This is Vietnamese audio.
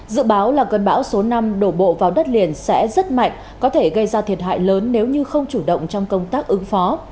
dự báo là cơn bão số năm đổ bộ vào đất liền sẽ rất mạnh có thể gây ra thiệt hại lớn nếu như không chủ động trong công tác ứng phó